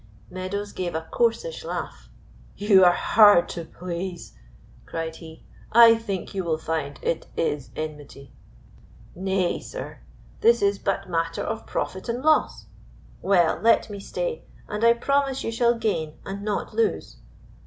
Meadows gave a coarsish laugh. "You are hard to please," cried he. "I think you will find it is enmity." "Nay! sir, this is but matter of profit and loss. Well, let me stay, and I promise you shall gain and not lose.